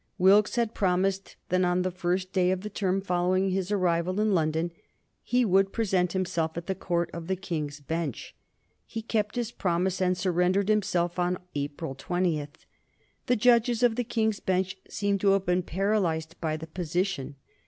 Wilkes had promised that on the first day of the term following his arrival in England he would present himself at the Court of King's Bench. He kept his promise and surrendered himself on April 20. The judges of the King's Bench seem to have been paralyzed by the position.